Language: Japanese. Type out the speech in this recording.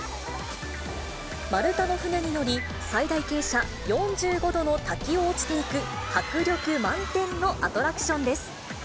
丸太の船に乗り、最大傾斜４５度の滝を落ちていく、迫力満点のアトラクションです。